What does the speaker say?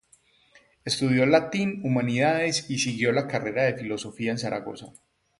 Estudió latín y humanidades y siguió la carrera de Filosofía en Zaragoza.